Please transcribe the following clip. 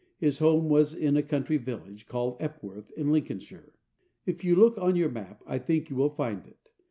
His home was in a country village called Epworth, in Lincolnshire. If you look on your map I think you will find it.